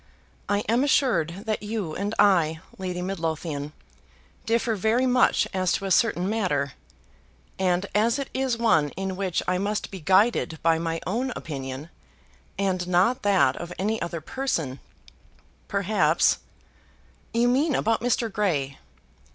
"I am assured that you and I, Lady Midlothian, differ very much as to a certain matter; and as it is one in which I must be guided by my own opinion, and not that of any other person, perhaps " "You mean about Mr. Grey?"